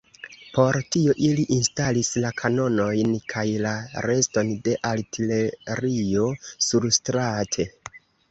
Por tio ili instalis la kanonojn kaj la reston de artilerio surstrate.